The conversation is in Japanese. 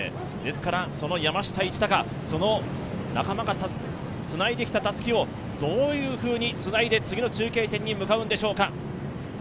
ですからその山下一貴、仲間がつないできたたすきをどういうふうにつないで、次の中継点に向かうんでしょうか。